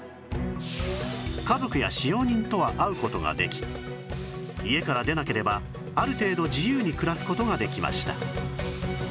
家族や使用人とは会う事ができ家から出なければある程度自由に暮らす事ができました